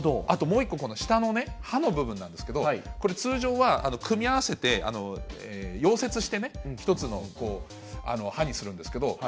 あともう一個、下の刃の部分なんですけれども、これ、通常は組み合わせて溶接してね、一つの刃にするんですけれども。